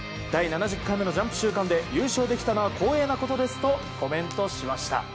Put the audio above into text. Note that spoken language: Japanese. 第７０回目のジャンプ週間で優勝できたのは光栄なことですとコメントしました。